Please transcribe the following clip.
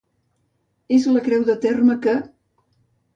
És la creu de terme que.